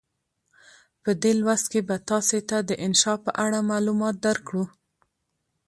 په دې لوست کې به تاسې ته د انشأ په اړه معلومات درکړو.